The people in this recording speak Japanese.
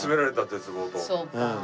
そうか。